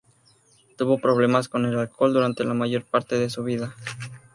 Tuvo problemas con el alcohol durante la mayor parte de su vida.